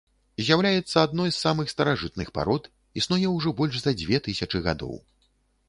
З'яўляецца адной з самых старажытных парод, існуе ўжо больш за дзве тысячы гадоў.